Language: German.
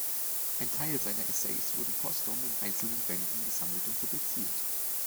Ein Teil seiner Essays wurden postum in einzelnen Bänden gesammelt und publiziert.